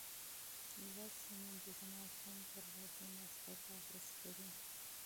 لوستې میندې د ماشوم پر ودې مثبت اغېز کوي.